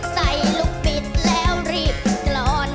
ใส่ลูกปิดแล้วรีบกรอน